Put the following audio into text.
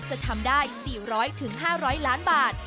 จะทำได้๔๐๐๕๐๐ล้านบาท